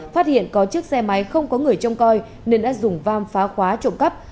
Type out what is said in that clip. phát hiện có chiếc xe máy không có người trông coi nên đã dùng vam phá khóa trộm cắp